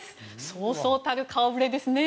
そうそうたる顔ぶれですね